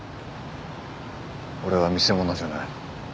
俺は見せ物じゃない。